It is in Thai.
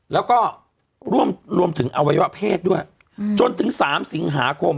แล้วก็ร่วมรวมถึงอวัยวะเพศด้วยจนถึง๓สิงหาคม